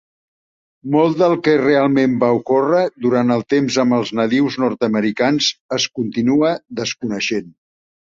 Molt del que realment va ocórrer durant el temps amb els nadius nord-americans es continua desconeixent.